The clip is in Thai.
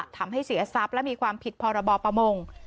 ทำให้เสียทรัพย์และมีความผิดพรบประมง